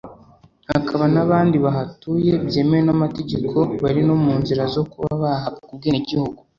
hakaba n’abandi bahatuye byemewe n’amategeko bari no mu nzira zo kuba bahabwa ubwenegihugu